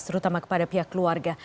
terutama kepada pihak keluarga